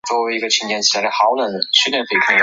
她是建筑师贝聿铭的堂妹。